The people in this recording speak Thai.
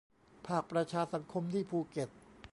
ภาคประชาสังคมที่ภูเก็ต